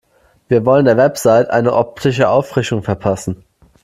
Wir wollen der Website eine optische Auffrischung verpassen.